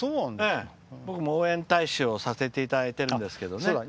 僕も応援大使をさせていただいてるんですけどね。